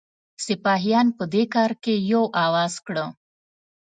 سپاهیان په دې کار کې یو آواز کړه.